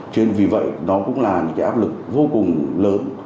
cho nên vì vậy nó cũng là những áp lực vô cùng lớn